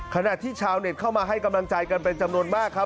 ขณะที่ชาวเน็ตเข้ามาให้กำลังใจกันเป็นจำนวนมากครับ